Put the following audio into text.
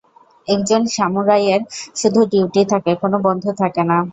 একজন সামুরাইয়ের শুধু ডিউটি থাকে, কোন বন্ধু থাকে না।